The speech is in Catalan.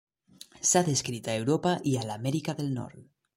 S'ha descrit a Europa i a l'Amèrica del Nord.